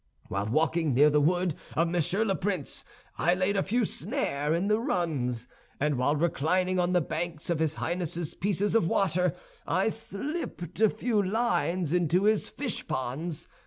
While walking near the wood of Monsieur le Prince, I laid a few snares in the runs; and while reclining on the banks of his Highness's pieces of water, I slipped a few lines into his fish ponds.